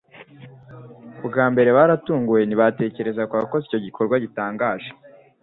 Bwa mbere baraturuguwe ntibatekereza ku wakoze icyo gikorwa gitangaje.